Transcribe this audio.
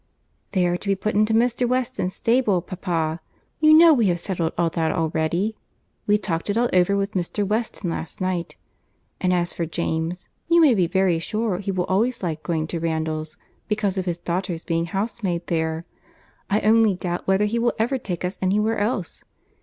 "They are to be put into Mr. Weston's stable, papa. You know we have settled all that already. We talked it all over with Mr. Weston last night. And as for James, you may be very sure he will always like going to Randalls, because of his daughter's being housemaid there. I only doubt whether he will ever take us anywhere else.